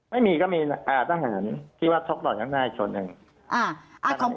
ไม่มีก็มีนะอ่าทหารคิดว่าช็อกต่ออย่างหน้าอีกคนหนึ่ง